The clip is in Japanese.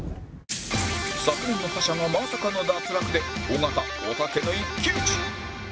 昨年の覇者がまさかの脱落で尾形おたけの一騎打ち